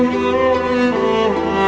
suara kamu impian sekali